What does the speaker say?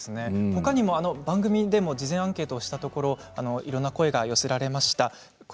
ほかの番組で事前アンケートしたところいろんな声が寄せられました。